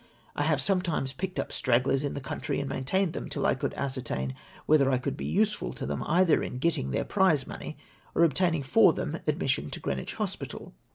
I have sometimes j^icked up stragglers in the country and maintained them till I could ascertain whether I could be useful to them, either in getting their prize money, or obtaining for them admission to Greenwich Hospital